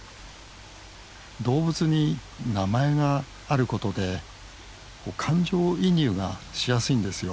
動物に名前があることで感情移入がしやすいんですよ。